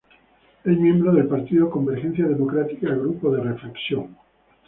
Es miembro del Partido Convergencia Democrática-Grupo de Reflexión.